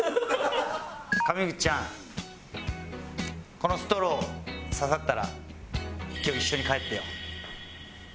このストローささったら今日一緒に帰ってよ。